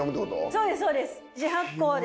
そうですそうです。